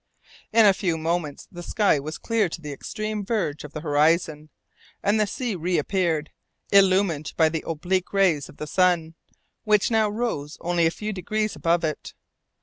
In a few moments, the sky was clear to the extreme verge of the horizon, and the sea reappeared, illumined by the oblique rays of the sun, which now rose only a few degrees above it.